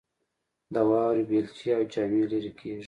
د واورې بیلچې او جامې لیرې کیږي